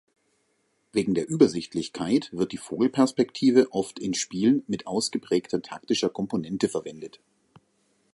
Wegen der Übersichtlichkeit wird die Vogelperspektive oft in Spielen mit ausgeprägter taktischer Komponente verwendet.